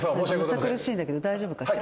むさ苦しいんだけど大丈夫かしら？